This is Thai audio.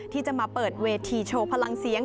ที่จะมาเปิดเวทีโชว์พลังเสียง